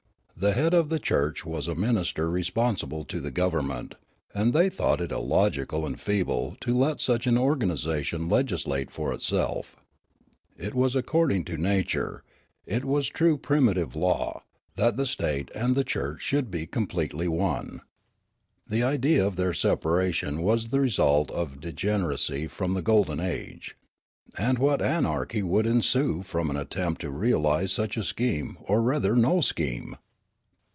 The head of the church was a minister responsible to the government, and they thought it illogical and feeble to let such an organisation legislate for itself. It was according to nature, it was the true primitive law, that the state and the church should be completely one. The idea of 76 The Church and Journalism n their separation was the result of degeneracy from the gokleu age. And what anarchy would ensue from an attempt to realise such a scheme or rather no scheme!